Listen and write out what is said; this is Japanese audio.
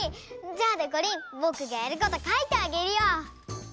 じゃあでこりんぼくがやること書いてあげるよ！